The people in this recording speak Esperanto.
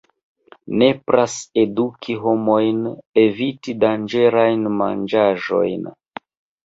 Nepras eduki homojn eviti danĝerajn manĝaĵojn.